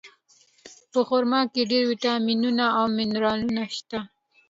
په خرما کې ډېر ویټامینونه او منرالونه شته.